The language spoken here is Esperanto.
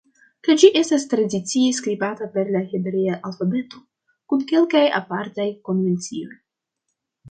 Kaj ĝi estas tradicie skribata per la hebrea alfabeto, kun kelkaj apartaj konvencioj.